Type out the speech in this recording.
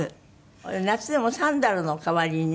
夏でもサンダルの代わりにね。